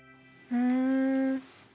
うん。